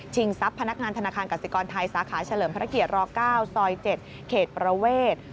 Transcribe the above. ชิงทรัพย์พนักงานธนาคารกัศกรไทยสาขาเฉลิมภักดิ์เกียรติรอ๙ซอย๗เขตประเวท